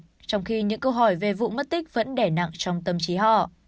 trong khi những câu hỏi về vụ mất tích vẫn đẻ nặng trong tâm trí họ